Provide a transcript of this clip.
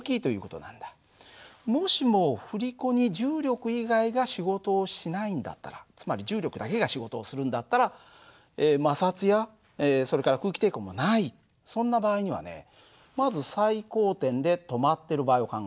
もしも振り子に重力以外が仕事をしないんだったらつまり重力だけが仕事をするんだったら摩擦やそれから空気抵抗もないそんな場合にはねまず最高点で止まってる場合を考えよう。